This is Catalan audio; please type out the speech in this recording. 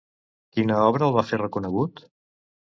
Quina obra el va fer reconegut?